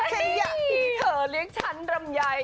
ที่เธอเรียกฉันลำไย